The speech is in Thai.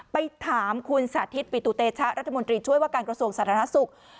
ไปถามคุณสาธิตปิตุเตชะรัฐมนตรีช่วยว่าการกระทรวงสาธารณสุข